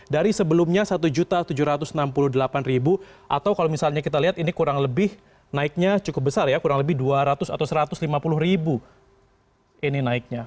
dari sebelumnya satu tujuh ratus enam puluh delapan atau kalau misalnya kita lihat ini kurang lebih naiknya cukup besar ya kurang lebih dua ratus atau satu ratus lima puluh ini naiknya